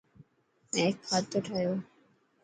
ميڪ کاتو ٺائو.